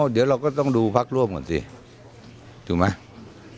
เดี๋ยวเราก็ต้องดูพักร่วมก่อนสิถูกไหม